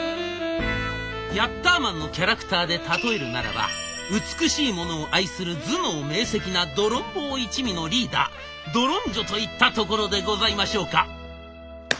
ヤッターマンのキャラクターで例えるならば美しいものを愛する頭脳明せきなドロンボー一味のリーダードロンジョといったところでございましょうか。